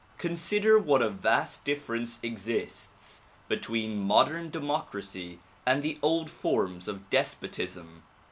Consider what a vast difference exists between modern democracy and the old forms of despotism.